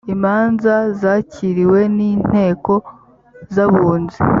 imanza zakiriwe n inteko z’ abunzi .